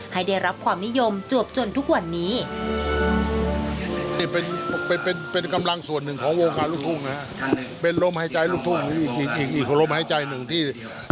ได้รับความนิยมจวบจนทุกวันนี้